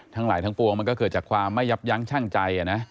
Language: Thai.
ทั้งหลายทั้งปวงมันก็เกิดจากความไม่ยับยั้งชั่งใจนะ